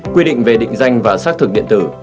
quy định về định danh và xác thực điện tử